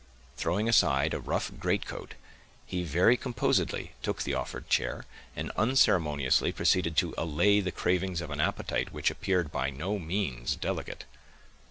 Throwing aside a rough greatcoat, he very composedly took the offered chair, and unceremoniously proceeded to allay the cravings of an appetite which appeared by no means delicate.